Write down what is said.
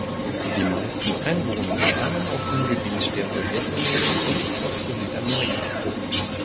Die meisten Einwohner stammen aus dem Gebiet der Sowjetunion und aus Südamerika.